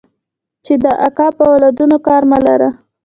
چې د اکا په اولادونو کار مه لره.